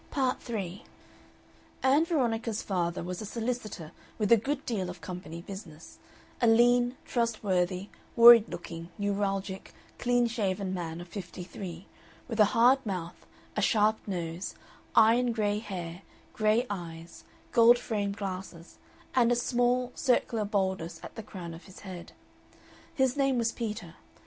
Part 3 Ann Veronica's father was a solicitor with a good deal of company business: a lean, trustworthy, worried looking, neuralgic, clean shaven man of fifty three, with a hard mouth, a sharp nose, iron gray hair, gray eyes, gold framed glasses, and a small, circular baldness at the crown of his head. His name was Peter.